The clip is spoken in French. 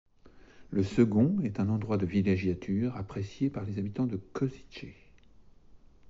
Le second est un endroit de villégiature apprécie par les habitants de Košice.